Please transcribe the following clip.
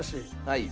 はい。